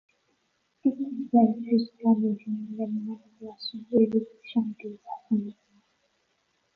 Tous conservent, jusqu'à nos jours, les moments d'adoration et le chant de l'assemblée.